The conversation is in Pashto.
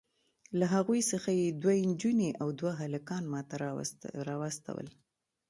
له هغوی څخه یې دوې نجوني او دوه هلکان ماته راواستول.